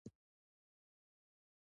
ایا واکسین وړیا دی؟